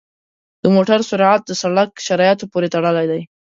د موټر سرعت د سړک شرایطو پورې تړلی دی.